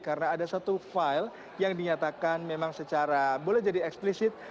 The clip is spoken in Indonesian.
karena ada satu file yang dinyatakan memang secara boleh jadi eksplisit